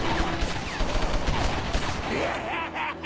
ワハハハ！